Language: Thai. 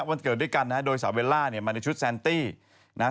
วันเกิดด้วยกันนะฮะโดยสาวเบลล่าเนี่ยมาในชุดแซนตี้นะฮะ